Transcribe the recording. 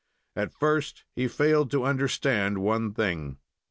At first he failed to understand one thing.